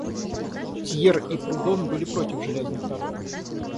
Тьер и Прудон были против железных дорог.